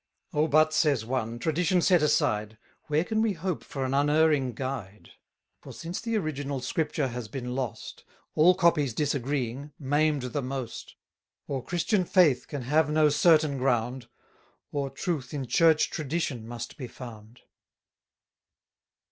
O but, says one, tradition set aside, Where can we hope for an unerring guide? For since the original Scripture has been lost, All copies disagreeing, maim'd the most, Or Christian faith can have no certain ground, 280 Or truth in Church Tradition must be found.